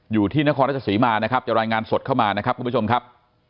อยู่ที่นครราชสีมานะครับจะรายงานสดเข้ามานะครับคุณผู้ชมครับ